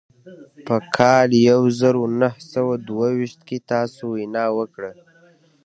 په کال يو زر و نهه سوه دوه ويشت کې تاسې وينا وکړه.